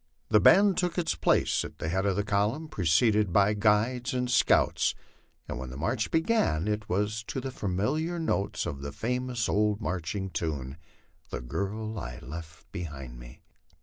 The band took its place at the head of the column, preceded by the guides and scouts, and when the march began it was to the familiar notes of that famous old marching tune, " The girl I left behind me."